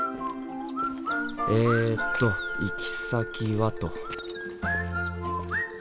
えと行き先はと。